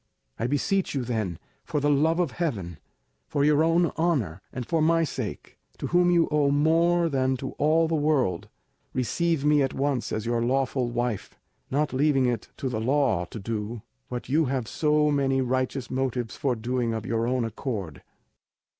I beseech you then, for the love of heaven, for your own honour, and for my sake, to whom you owe more than to all the world, receive me at once as your lawful wife, not leaving it to the law to do what you have so many righteous motives for doing of your own accord."